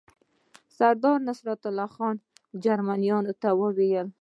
سردار نصرالله خان جرمنیانو ته وویل.